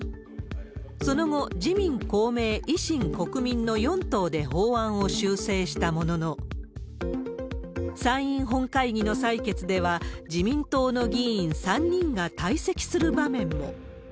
その後、自民、公明、維新、国民の４党で法案を修正したものの、参院本会議の採決では、自民党の議員３人が退席する場面も。